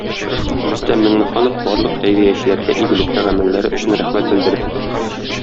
Рөстәм Миңнеханов барлык хәйриячеләргә игелекле гамәлләре өчен рәхмәт белдерде.